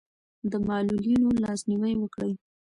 د معلولینو لاسنیوی وکړئ.